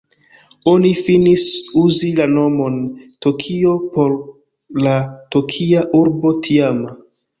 Oni finis uzi la nomon "Tokio" por la Tokia Urbo tiama.